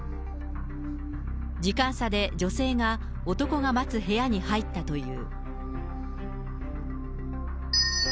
時間差で女性が男が待つ部屋に入ったという。